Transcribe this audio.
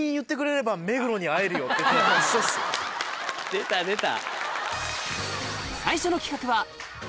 出た出た。